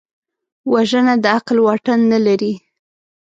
وژنه د عقل واټن نه لري